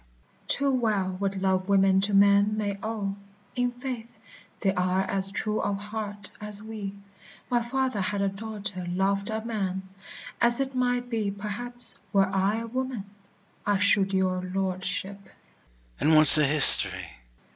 VIOLA. Too well what love women to men may owe: In faith, they are as true of heart as we. My father had a daughter loved a man, As it might be, perhaps, were I a woman, I should your lordship.